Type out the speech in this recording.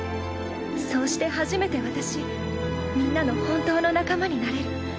そうして初めて私みんなの本当の仲間になれる。